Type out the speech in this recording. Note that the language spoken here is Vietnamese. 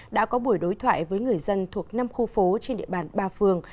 đã có buổi đối thoại với người dân thuộc năm khu phố trên địa bàn ba phường